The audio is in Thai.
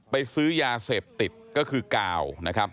ซื้อยาเสพติดก็คือกาวนะครับ